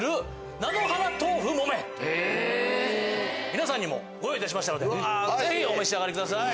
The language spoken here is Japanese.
皆さんにご用意いたしましたのでぜひお召し上がりください。